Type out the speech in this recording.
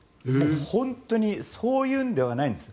本当にそういうのではないんです。